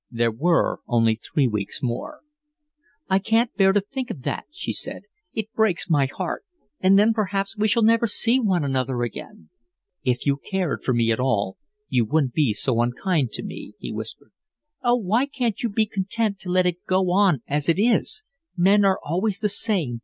There were only three weeks more. "I can't bear to think of that," she said. "It breaks my heart. And then perhaps we shall never see one another again." "If you cared for me at all, you wouldn't be so unkind to me," he whispered. "Oh, why can't you be content to let it go on as it is? Men are always the same.